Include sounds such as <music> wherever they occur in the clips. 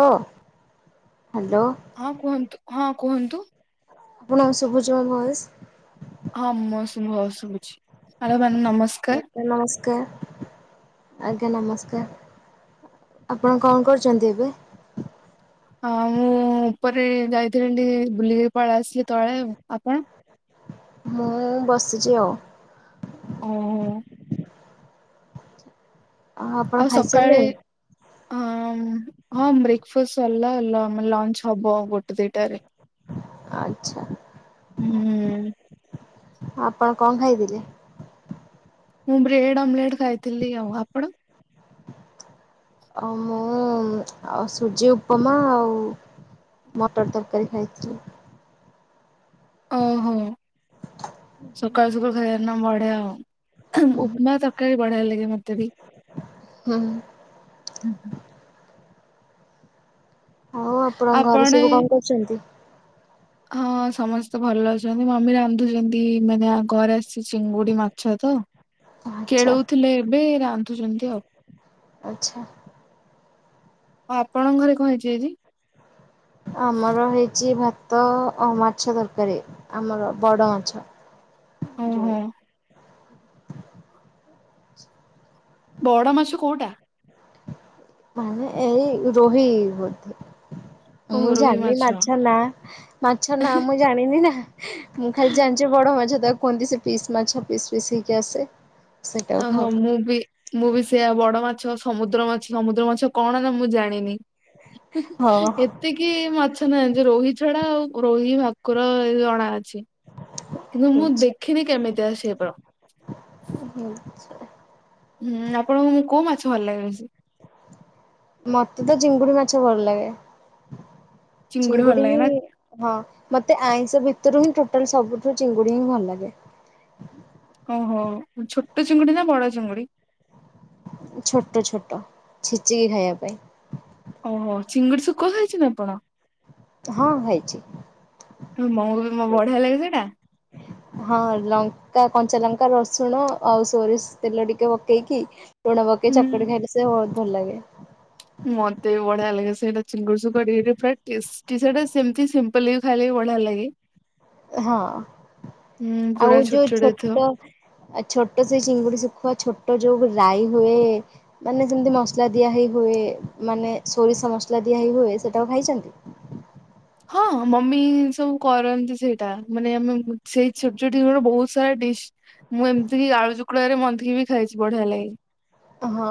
ଓ ହଁ କୁହନ୍ତୁ ହଁ କୁହନ୍ତୁ। ଆପଣ ସୁବୁଛି ମୋ ଭଏସ। ହଁ ମୁଁ ଶୁଭ ଶୁଭୁଛି। ହାଲୋ ମ୍ୟାଡ଼ମ୍ ନମସ୍କାର। କା ଆଜ୍ଞା ନମସ୍କାର ଆପଣ କଣ କରୁଚନ୍ତି ଏବେ? ହଁ ମୁଁ ଉପରେ ଯାଇଥିଲି ଟ ବୁଲିକିରି ପଳେଇ ଆସିଲି ତଳେ ଆପଣ ମୁଁ ବସିଚି ଆଉ। ଓ ହୋ। ଆପଣ ଆଉ ସକାଳେ ଖାଇସାରିଲେଣି? ହଁ ହଁ ବ୍ରେକଫାଷ୍ଟ। ସରିଲା ଲ ଲଞ୍ଚ ହବ ଗୋଟେ ଦିଟାରେ। ଆଚ୍ଛା ହୁଁ ଉଁ। ଆପଣ କଣ ଖାଇଥିଲେ? ମୁଁ ବ୍ରେଡ ଅମଲେଟ୍ ଖାଇଥିଲି ଆଉ ଆପଣ? ମୁଁ ଆଉ ସୁଜି ଉପମା ଆଉ ମଟର ତରକାରୀ ଖାଇଥିଲି। ଓହୋ ସକାଳୁ ସକାଳୁ ଖାଇ ନ ବଢିଆ ଆଉ ଉପମା ତ କେ ବଢ଼ିଆ ଲାଗେ ମୋତେ ଭି। ହଁ। ଆଉ ଆପଣଙ୍କ ଘରେ ସବୁ ଆପଣ କଣ କରୁଛନ୍ତି? ହଁ ସମସ୍ତେ ଭଲ ଅଛନ୍ତି, ମମି ରାନ୍ଧୁଚନ୍ତି ମାନେ ଆ, ଘରେ ଆସିଚି ଚିଙ୍ଗୁଡି ମାଛ ତ ଆଚ୍ଛା କେଳଉ ଥିଲେ। ଏବେ ରାନ୍ଧୁଚନ୍ତି ଆଉ। ଆଚ୍ଛା। ଆପଣଙ୍କ ଘରେ କଣ ହେଇଚି ଆଜି? ଆମର ହେଇଚି ଭା ତ ଆଉ ମାଛ ତରକାରୀ ଆମର ବଡ଼ ମାଛ। ଓହୋ ଯୋଉ ବଡ ମାଛ କୋଉଟା? ମାନେ ଏଇ ରୋହି ବୋଧେ ଓହୋ ମୁଁ ରୋହି ଜାଣିଲି ମାଛ ନା, ମାଛ ନା ମୁଁ ଜାଣିନି ନା। ମୁଁ ଖାଲି ଜାଣିଚି ବଡ଼ ମାଛ ତ କୁହନ୍ତି ସେ ପିସ୍ ମାଛ ପିସ୍ ପିସ୍ ହେଇ କି ଆସେ। ସେଇଟାକୁ ଖାଉ ଓହୋ, ମୁଁ ବି ମୁଁ ବି ସେଇୟା ବଡ଼ ମା ଛ ସମୁଦ୍ର ମାଛ, ସମୁଦ୍ର ମାଛ କଣ ନା ମୁଁ ଜାଣିନି। ହଁ। ଏତିକି ମାଛ ନାହା ଏ ରୋହି ଛଡା ଆଉ ରୋହି ଭାକୁର ଏ ଅଣା ଅଛି। କିନ୍ତୁ ମୁଁ ଆଛା ଦେଖିନି କେମିତିଆ ସିଏ ପ ଛ ଭଲ ଲାଗେ ବେସି ମୋତେ ତ ଚିଙ୍ଗୁଡି ମାଛ ଭଲ ଲାଗେ। ଭଲ ଚିଙ୍ଗୁଡି ଲାଗେ ବି ନା ହିଁ ମୋତେ ଆଇଁଷ ଭି ତ ରୁହି ଟୋଟାଲ ସବୁଠୁ ଚିଙ୍ଗୁଡି ହିଁ ଭଲ ଲାଗେ। ହୋ ଛୋଟ ଚିଙ୍ଗୁଡି ନା ବଡ଼ ଚିଙ୍ଗୁଡି? ଛୋଟ ଛୋଟ ଛେଚିକି ଖାଇବା ପାଇଁ। ଓହୋ ଚିଙ୍ଗୁଡି ଶୁଖୁଆ ଖାଇଛନ୍ତି ଆପଣ? ହଁ ଖଇଛି। ମୋ ବଢିଆ ଲାଗେ ସେଇଟା ହଁ ଲଙ୍କା କଞ୍ଚା ଲଙ୍କା ରସୁଣ ଆଉ ସୋରିଷ ତେଲ ଟିକେ ପକେଇକି ତୁଣ ପକେଇ ଚକଟି ଖାଇଲେ ସେ ଅନ୍ ଭଲ ଲାଗେ। ମୋତେ ବି ବଢିଆ ଲାଗେ ସେଇଟା ଚିଙ୍ଗୁଡି ଶୁକୁଆ ଟିକିଏ ଟିକିଏ ଫ୍ରାଏ, ଟେଷ୍ଟି ସେଟା ସେମତି ସିମ୍ପୁଲ ହିଁ ଖାଇଲେ ବି ବଢିଆ ଲାଗେ। ହଁ ହୁଁ ଆଉ ପୁରା ଯୋଉ ହେଇଥିବ ଛୋଟ ଆ, ଛୋଟ ସେଇ ଚିଙ୍ଗୁଡି ଶୁଖୁଆ ଛୋ ପଟ ଯେଉଁ ରାଇ ହୁଏ, ମାନେ ଯେମିତି ମସଲା ଦିଆହେଇ ହୁଏ, ମାନେ ସୋରିଷ ମସଲା ଦିଆହେଇ ହୁଏ, ସେଟାକୁ ଖାଇଚନ୍ତି। ହଁ, ମମି ସବୁ କରନ୍ତି ସେଇଟା। ମାନେ ଆମେ ସେଇ ଛୋଟ ଛୋଟ ବେଳୁ ବହୁତ ସାରା ଡିସ୍, ମୁଁ ଏମିତି କିି ଆଳୁ ଚୁକୁଡାରେ ମନ୍ଥିକି ବି ଖାଇଚି। ବଢିଆ ଲାଗେ। ହଁ।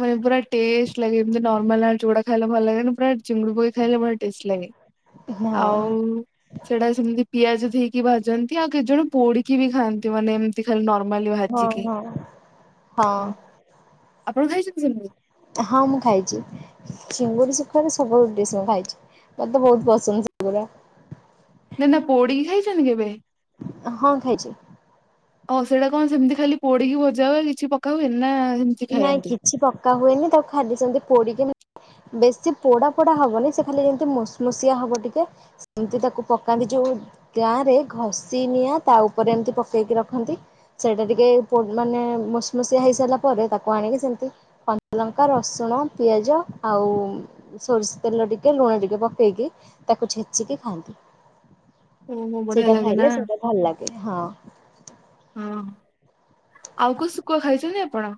ମାନେ ପୁରା ଟେଷ୍ଟ ଲାଗେ, ଏମିତି ନର୍ମାଲ ଆଳୁ ଚକଡ଼ା ଖାଇଲେ ଭଲ ଲାଗେନି। ପୁରା ଚିଙ୍ଗୁଡୁ ପକେଇ ଖାଇଲେ ବଢିଆ ଟେଷ୍ଟ ଲାଗେ। ହଁ ଆଉ ସେଟା ସେମତି ପିଆଜ ଦେଇକ ଭାଯନ୍ତି ଆଉ କେତ ଜଣ ପୋଡିକି ବି ଖାଆନ୍ତି, ମାନେ ଏମିତି ଖାଲି ନର୍ ହଁ ହଁ ହଁ। ଆପଣ ଖାଇଚନ୍ତି ସବୁ? ହଁ, ମୁଁ ଖାଇଚି। ସିଙ୍ଗୁଡ଼ି ଶୁଖୁଆର ସବୁ ଡିସ୍ ମୁଁ ଖାଇଚି। ମତେ ବହୁତ ପସନ୍ଦ ସେଗୁରା। ନାଇ ନା ପୋଡିକି ଖାଇଚନ୍ତି କେବେ? ହଁ ଖାଇଚି। ହଉ ସେଇଟା କଣ ସେମିତି ଖାଲି ପୋଡିକି ଭଜା ହଏ, କିଛି ପକା ହୁଏ ନା। ସେମିତି ନାଇଁ ଖାଆନ୍ତି? କିଛି ପକା ହୁଏନି, ତାକୁ ଖାଲି ସେମତି ପୋଡିକି ବେଶୀ ପୋଡା ପୋଡା ହବନି, ସେ ଖାଲି ଯେମିତି ମସମସିଆ ହବ ଟିକେ, ସେମତି ତାକୁ ପକାନ୍ତି ଯୋଉ ଗାଁ ରେ ଘଷି ନିିଆଁ ତା ଉପରେ ଏମିତି ପକେଇକି ରଖନ୍ତି ସେଇଟା ଟିକେ ପୋ ମାନେ ମସମସିିଆ ହେଇସାରିଲା ପରେ ତାକୁ ଆଣିକି ସେମିତି କଞ୍ଚଲଙ୍କା, ରସୁଣ, ପିଆଜ ଆଉ ସୋରିଷ ତେଲ ଟିକେ, ଲୁଣ ଟିକେ ପକେଇକି ତାକୁ ଛେଚିକି ଖାଆନ୍ତି। ଓହୋ ବଢିଆ ସେଇଟା ଲାଗେ ନା। ଖାଇଲେ ସେଇଟା ଭଲ ଲାଗେ। ହଁ। ଆଉ କୋଉ ଶୁଖୁଆ ଖାଇଚନ୍ତି ଆପଣ?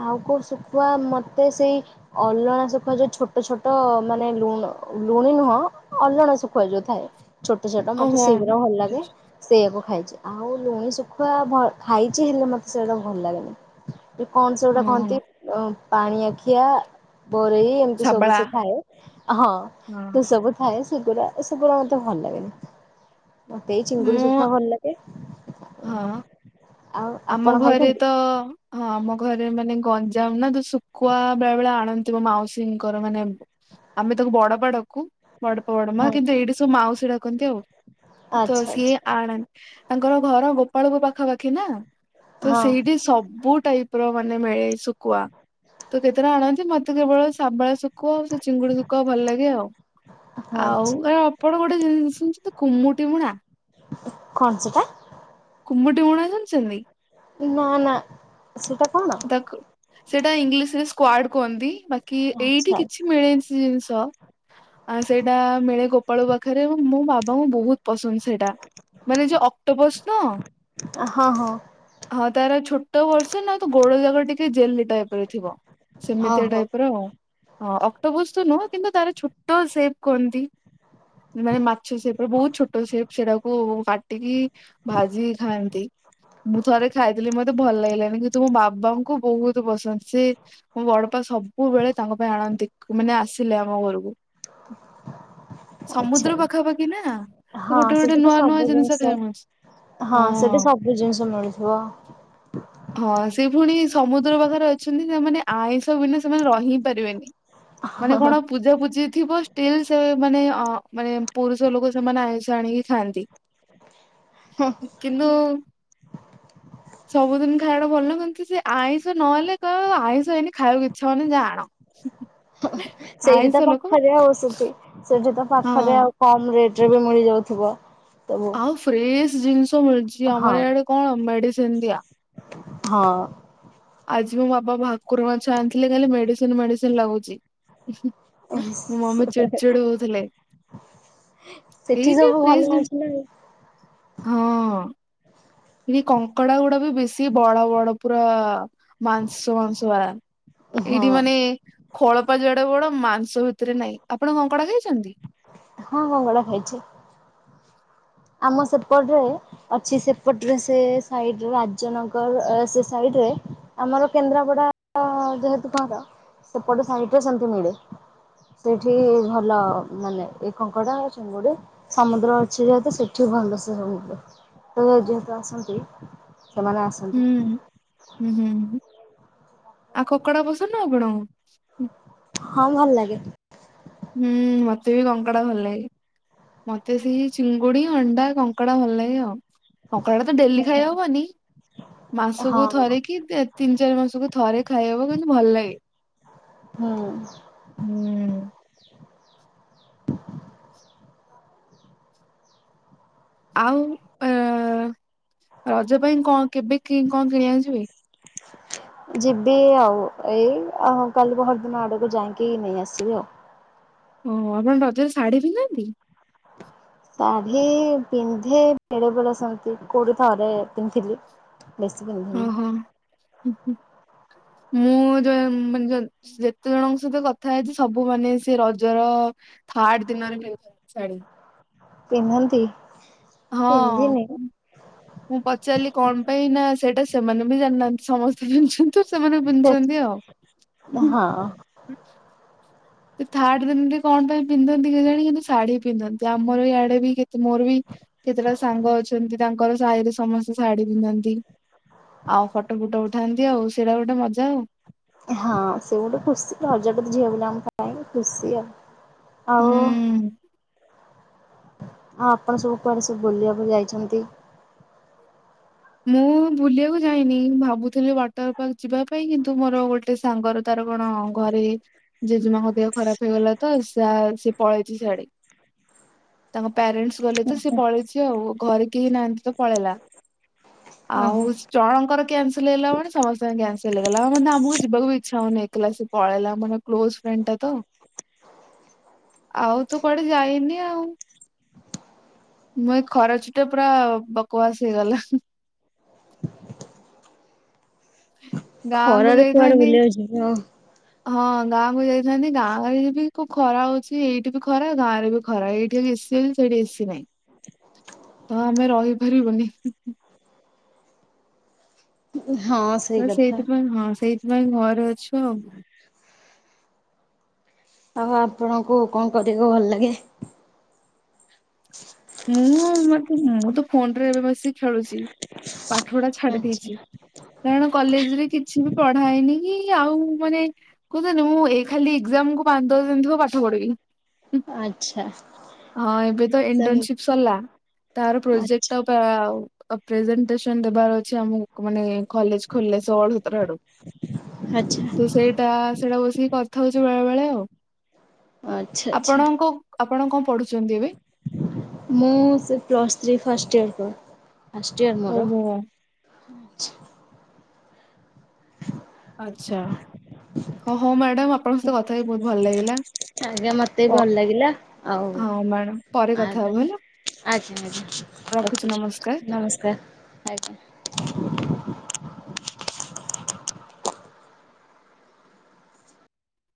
ଆଉ କୋଉ ଶୁଖୁଆ ମତେ ସେଇ ଅଲଣା ଶୁଖୁଆ ଯଉ ଛୋଟ ଛୋଟ ମାନେ ଲୁଣ ଲୁଣି ନୁହଁ, ଅଲଣା ଶୁଖୁଆ ଯଉ ଥାଏ। ଛୋଟ ଛୋଟ ମତେ ଓହୋ ସେଇଗୁଡ଼ା ଭଲ ଲାଗେ, ସେଇଆାକୁ ଖାଏ। ଆଉ ଲୁଣି ଶୁଖୁଆ ଭ ଖାଇଚି ହେଲେ, ମୋତେ ସେଇଟା ଭଲ ଲାଗେନି। କଣ ସେଗୁଡ଼ା କହନ୍ତି ଓହୋ ଅ ପାଣିଆଖିିଆ। ବରେଇ ଏମିତି ସବୁ ଶାବଳା। ସ ଥାଏ। ହଁ ତୁ ସବୁ ଥାଏ। ସେଗୁଡା, ଏ ସେଗୁଡା ମତେ ଭଲ ଲାଗେନି। ମତେ ଏଇ ଚିଙ୍ଗୁଡି ମୁଁ ସୁଖୁଆ ଭଲ ଲାଗେ। ହଁ। ଆଉ ଆମ ଆପଣ ଘରେ ଖାଇଛନ୍ତି ତ, ହଁ ଆମ ଘରେ ମାନେ, ଗଞ୍ଜାମ ନା ତ ଶୁଖୁଆ ବେଳେ ବେଳେ ଆଣନ୍ତିିବ ମାଉସୀଙ୍କର ମାନେ, ଆମେ ତାକୁ ବଡ ବାଡକୁ ବଡପ ବଡମା ହଁ କିନ୍ତୁ ଏଇଟି ସବୁ ମାଉସୀ ର କହନ୍ତି ଆଉ। ତ ଆଚ୍ଛା ସିଏ ଆଚ୍ଛା ଆଣନ୍ତି। ତାଙ୍କର ଘର ଗୋପାଳପୁ ପାଖାପାଖି ନା। ତ ହଁ ସେଇଠି ସବୁ ଟାଇପର ମାନେ ମିଳେ। ସୁଖୁଆ, ତ କେତେଟା ଆଣନ୍ତି ନ କିନ୍ତୁ କେବଳ ଶାବଳ ସୁ ସୁକୁଆ ଆଉ ସେ ଚିଙ୍ଗୁଡି ଶୁକୁଆ ଭଲ ଲାଗେ ଆଉ ହଁ ଆଚ୍ଛା ଆଉ ଆପଣ କଣ <unintelligible> ତୁମି ତ କୁମ୍ମୁଟି ମୁୁଣା କଣ ସେଟା? କୁମୁଟି ମୁଣା ଜାଣିଛନ୍ତି। ନା ନା ସେଇଟା କଣ? ତାକୁ ସେଇଟା ଇଂଲିଶ ରେ ସ୍କୁଆଡ଼ କୁହନ୍ତି। କି ଏଇଠି ଆଚ୍ଛା କିଛି ମିଳେନ ଜିନିଷ ଆ ସେଇଟା ମିଳେ ଗୋପାଳ ପାଖରେ ମୁଁ ବାବ ହଁ ବହୁତ। ହଁ ଶୁଣ ସେଟା ମାନେ ଯୋଉ ଅକ୍ଟୋବସ ହଁ ତାର ଛୋ ଏତ ବର୍ଷୁ ନା ଗୋଡ ଜାଗା ଟିକେ ଜେଲ ହେଇଥିବ ସେମିତିଆ ଓହୋ ଟାଇପ ର ଆ ଅକ୍ଟୋବୋସ ତ ନୁହଁ କିନ୍ତୁ ତାର ଛୋଟ ସେପ କୁହନ୍ତି ମାନେ ମାଛ ସେପ ର ବହୁତ ଛୋଟ ସେପ ସେଟାକୁ କାଟିକି ଭାଜି ଖାଆନ୍ତି ମୁଁ ଥରେ ଖାଇଥିଲି ମତେ ଭଲ ଲାଗିଲାନି। ତୁମୋ ବାବାଙ୍କୁ ବହୁତ ପସନ୍ଦ। ସେ ମୋ ବଡପା ସବୁବେଳେ ତାଙ୍କ ପାଇଁ ଆଣନ୍ତି ମାନେ ଆସିଲେ ଆମ ଘରକୁ ଆଚ୍ଛା। ସମୁଦ୍ର ପାଖାପାଖି ନା ସେ ହଁ ଗୋଟେ ଗୋଟେ ସେଠି ତ ନୂଆ ନୂଆ ସବୁ ଜିନିଷ ଖାଇମଛି ସେଠି ହଁ। ସବୁ ଜିନିଷ ମିଳୁଥିବ। ହଁ ସେ ପୁଣି ସମୁଦ୍ର ପାଖରେ ଅଛନ୍ତି। ସେମାନେ ଆଇଁଷ ବିନା ସେମାନେ ରହି ପାରିବେନି। ମାନେ କଣ ପୂଜା ପୂଜି ଥିବ ଷ୍ଟିଲ୍ ସେ ମାନେ ଅ ମାନେ ପୁରୁଷ ଲୋକ ସେମାନେ ଆଇସ ଆଣିକି ଥାନ୍ତି କିନ୍ତୁ ସବୁଦିନ ସେଟା ଭଲ କିନ୍ତୁ କିଛି ଆଇଁଷ ନହେଲେ ତ ଆଇଁଷ ଏଇନି ଖବାକୁ ଇଛା ହଉନି ଯା ଆଣ ସେଇଠି ତ ଆଇଁଷ ଲୋକ ପାଖରେ ଆଉ ସେଠି ସେଠି ତ ପାଖରେ ହଁ। ଆଉ କମ୍ ରେ ରେଟରେ ବି ମିଳିଯାଉଥିବ। ଆଉ ଫ୍ରେଶ ଜିନିଷ ମିଳଳିଛି ହଁ। ଆମର ଏଆଡେ କଣ ମେଡିସିନ ଦିଆ ହଁ ଆଜି ମୋ ବାପ ଭାକୁର ମାଛ ଆଣିଥିଲେ ଖାଲି ମେଡିସିନ ମେଡିସିନ ଲାଗୁଚ। ମୋ ମାମି ଚିଡ଼ ଚିଡ ହଉଥିଲେ ସେଠି ସବୁ ଭଲ ଅଛି ନା ଆଉ। ହଁ ଏ କଙ୍କଡା ଗୁଡା ବି ବେଶୀ ବଡ ବଡ ପୁରା। ମାଂସ ମାଂସ ଭଳିଆ ଏଇଠି ହଁ ମାନେ ଖୋଳୋପା ଯେଡେବଡ ମାଂସ ଭିତରେ ନାଇଁ ଆପଣ କଙ୍କଡ଼ା ଖାଇଛନ୍ତି। ହଁ କଙ୍କଡ଼ା ଖାଇଛି। ଆମ ସେପଟରେ ଅଛି ସେପଟରେ ସେ ସାଇଡ ରାଜନଗର ସେ ସାଇଡରେ ଆମର କେନ୍ଦ୍ରାପଡା। ଯେହେତୁ କର ସେପଟ ସାଇଟ୍ ରେ ସେମିତି ମିଳେ ସେଇଠି ଭଲ ମାନେ ଏ କଙ୍କଡା ଚିଙ୍ଗୁଡି ସମୁଦ୍ର ଅଛି ଯେହେତୁ ସେଠି ଭଲ ସେ ସମୁ ତ ଯେହେତୁ ଆସନ୍ତି ସେମାନେ ଆସନ୍ତୁ। ହୁଁ ହୁଁ ହୁଁ ହୁଁ ଆଉ କଙ୍କଡା ପସନ୍ଦ ଆପଣ ହଁ ଭଲ ଲାଗେ। ହୁଁ ମତେ ବି କଙ୍କଡ଼ ଭଲଲାଗେ। ମତେ ସେଇ ଚିଙ୍ଗୁଡି ଅଣ୍ଡା କଙ୍କଡା ଭଲ ଲାଗେ ଆଉ। କଙ୍କଡ଼ା ଟା ତ ଡେଲି ଖାଇ ହବନି ମାସକୁ ହଁ। ଥରେ କିି ତିନି ଚାରି ମାସକୁ ଥରେ ଖାଇହବ କିନ୍ତୁ ଭଲ ଲାଗେ। ହୁଁ ହୁଁ। ଆଉ ଆଁ ରଜ ପାଇଁ କଣ? କେବେ କି କଣ କିଣି ଆକୁଜିବେ? ଯିବି ଆଉ ଏଇ କାଲି ପହରଦିନ ଆଡକୁ ଯାଇକି ନେଇ ଆସିବି ଆଉ। ଓ ଆପଣ ରଜରେ ଶାଢୀ ପିନ୍ଧନ୍ତି। ଶାଢୀ ପିନ୍ଧେ ବେଳେ ବେଳେ ସେନ୍ତି କୋଉଠି ଥରେ ପିନ୍ଧିଥିଲି। ବେଶୀ ପିନ୍ଧିନି ଓହୋ ହଁ ହଁ। ମୁଁ ଯେତେ ଜଣଙ୍କ ସହିତ କଥା ହେଇଛି ସବୁ ମାନେ ସେ ରଜର ଥାର୍ଡ ଦିନରେ ପିନ୍ଧୁଛନ୍ତି ଶାଢୀ। ପିନ୍ଧନ୍ତି। ହଁ ପିନ୍ଧିନି ମୁଁ ପଚାରିଲି କଣ ପାଇଁ ନା ସେଇଟା ସେମାନେ ବି ଜାଣିନାହାନ୍ତି। ସମସ୍ତେ ପୁନ୍ଧୁଛନ୍ତି ସେମାନେ ପୁନ୍ଧୁଛନ୍ତି ଆଉ। ହଁ ଥାର୍ଡ ଦିନରେ କଣ ପାଇଁ ପିନ୍ଧନ୍ତି କେଜାଣି କିନ୍ତୁ ଶାଢୀ ପିନ୍ଧନ୍ତି ଆମର ଇଆଡେ ବି କେ ମୋର ବି କେତେଟା ସାଙ୍ଗ ଅଛନ୍ତି ତାଙ୍କର ସାହିରେ ସମସ୍ତେ ଶାଢୀ ପିନ୍ଧନ୍ତି ଆଉ ଫଟୋ ଫୁଟୋ ଉଠାନ୍ତି ଆଉ ସେଇଟା ଗୋଟେ ମଜା ଆଉ। ହଁ ସେ ଗୋଟେ ଖୁସି ରଜଟ ତ ଝିଅ ବୋଲି ଆମ ପାଇଁ ଖୁସି ଆଉ। ଆଉ। ହୁଁ। ଆଁ ଆପଣ ସବୁ କୁଆଡେ ସବୁ ବୁଲିବାକୁ ଯାଇଛନ୍ତି। ମୁଁ ବୁଲିବାକୁ ଯାଇନି ଭାବୁଥିଲି ୱାଟର ପାର୍କ ଯିବା ପାଇଁ କିନ୍ତୁ ମୋର ଗୋଟେ ସାଙ୍ଗର ତାର କଣ ଘରେ ଜେଜେମାଙ୍କ ଦେହ ଖରାପ ହେଇଗଲା ତ ସେ ପଳେଇଛି ସିଆଡେ ତାଙ୍କ ପ୍ୟାରେଣ୍ଟସ୍ ଗଲେ ତ ସେ ପଳେଇଛି ଆଉ ଘରେ କେହି ନାହାନ୍ତି ତ ପଳେଇଲା। ଆଉ ଓହୋ ଜଣଙ୍କର କ୍ୟାନସଲ ହେଲା ମାନେ ସମସ୍ତଙ୍କର କ୍ୟାନସଲ ହେଇଗଲା ଆଉ ଆମକୁ ଯିବାକୁ ଇଚ୍ଛା ହଉନି। ଥିଲା ସେ ପଳେଇଲା ମାନେ କ୍ଲୋଜ ଫ୍ରେଣ୍ଡ ଟା ତ ଆଉ ତ କୁଆଡେ ଯାଇନି ଆଉ ମ ଖରା ଛୁଟି ଟା ପୁରା ବକବାସ ହେଇଗଲା। ଗାଁକୁ ଖରାରେ କୁଆଡେ ଯାଇଥାନ୍ତି ବୁଲି ବାକୁ ଜୀବ। ହଁ ଗାଁକୁ ଯାଇଥାନ୍ତି ଗାଁ ଗାଳିରେ ବି କୋଉ ଖରା ହଉଛି, ଏଇଠି ବି ଖରା ଗାଁ ରେ ବି ଖରା, ଏଇଠି ଏସି ଅଛି ସେଇଠି ଏସିି ନାହି। ତ ଆମେ ରହି <unintelligible> ହଁ ସେଇ ହ କଥା ସେଇଥିପାଇଁ ହଁ ସେଇ ନାଇଁ ଘରେ ଅଛ। ଆଉ ଆପଣଙ୍କୁ କଣ କରିବାକୁ ଭଲ ଲାଗେ? <unintelligible> ମୁଁ ମେ ମୁଁ ତ ଫୋନରେ ଏବେ ବସିକି ଖେଳୁଛି। ପାଠପଢା ଆଚ୍ଛା। ଛାଡିଦେଇଛି କାରଣ କଲେଜରେ କିଛି ବି ପଢା ହେଇନି। କି ଆଉ ମାନେ କୁହୁଛନ୍ତି ମୁଁ ଏଇ ଖାଲି ଏକ୍ଜାମକୁ ପାଞ୍ଚଦଶ ଦିନ ଥିବ ପାଠପଢିବି। ଆଛା ସେମିତି। ଥିଲା ତାର ଆଚ୍ଛା। ପ୍ରୋଜେକ୍ଟଟା ପ୍ରେଜେନଟେସନ ଦେବାର ଅଛି ଆମକୁ ମାନେ କଲେଜ ଖୋଲିଲେ ଷୋହଳ ସତର ଆଡୁ ଆଚ୍ଛା ତ ସେଇଟା ସେଇଟା ବସିକି କଥା ହଉଛି ବେଳେ ବେଳେ। <unintelligible> ଆଚ୍ଛା ଆଚ୍ଛା। ଆପଣଙ୍କ ଆପଣ କଣ? ପଢୁଛନ୍ତି ଏବେ। ମୁଁ ସେ plus three first year first year ମୋର ଓହୋ <unintelligible> ଆଛା ହଉ ହଉ ମ୍ୟାଡ଼ାମ ଆପଣଙ୍କ ସହିତ କଥା ହେଇକି ବହୁତ ଭଲ ଲାଗିଲା ଆଜ୍ଞା ମତେ ବି ଭଲ ଲାଗିଲା ଆଉ ହଁ ମ୍ୟାଡ଼ାମ ପରେ କଥା ଆଜ୍ଞା ହବ ହେଲା ଆଜ୍ଞା ଆଜ୍ଞା ରଖୁଛିୁ, ରଖୁଛି ନମସ୍କାର। ନମସ୍କାର ଆଜ୍ଞା।